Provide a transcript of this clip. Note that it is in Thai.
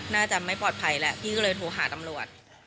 น่าจะไม่ปลอดภัยแล้วพี่ก็เลยโทรหาตำรวจ